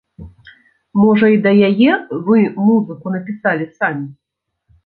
Можа, і да яе вы музыку напісалі самі?